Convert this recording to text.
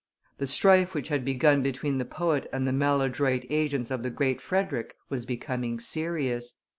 The strife which had begun between the poet and the maladroit agents of the Great Frederick was becoming serious.